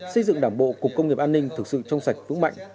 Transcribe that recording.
xây dựng đảng bộ cục công nghiệp an ninh thực sự trong sạch vững mạnh